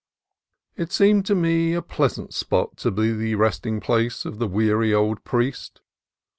It seemed to me a pleasant spot to be the resting place of the weary old priest.